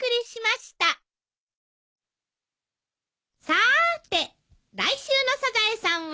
さーて来週の『サザエさん』は？